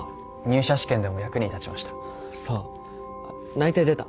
内定出た？